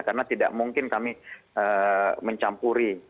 karena tidak mungkin kami mencampuri